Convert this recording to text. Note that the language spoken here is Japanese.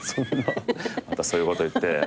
またそういうこと言って。